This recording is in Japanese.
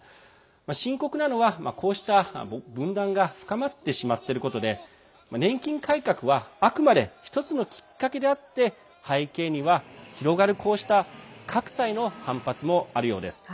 深刻なのは、こうした分断が深まってしまっていることで年金改革はあくまで１つのきっかけであって背景には広がる、こうした格差への反発もあるようです。